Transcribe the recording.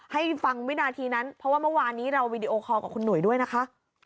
ให้ฟังวินาทีนั้นเพราะว่าเมื่อวานนี้เราวีดีโอคอลกับคุณหนุ่ยด้วยนะคะ